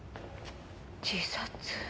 自殺。